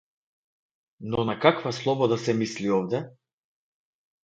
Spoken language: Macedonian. Но на каква слобода се мисли овде?